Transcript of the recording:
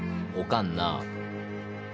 おかんな